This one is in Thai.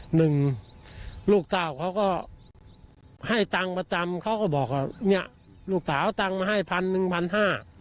หนึ่งลูกสาวเขาก็ให้ตังค์ประจำเขาก็บอกว่าเนี่ยลูกสาวตังค์มาให้๑๐๐๐๑๕๐๐บาท